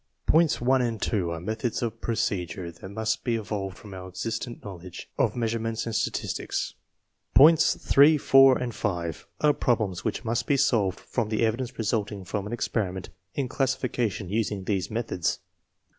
Points 1 and 2 are methods of procedure that must be evolved from our existent knowledge of measure ments and statistics. Points 3, 4, and 5 are problems which must be solved from the evidence resulting from an experiment in classification using these methods.